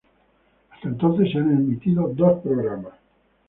Hasta entonces se han emitido dos programas.